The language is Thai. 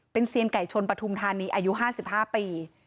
เป็นเซียนไก่ชนปฐุมธานีอายุ๕๕ปี